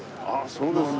そうですか。